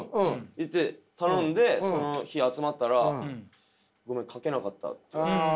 言って頼んでその日集まったら「ごめん書けなかった」って。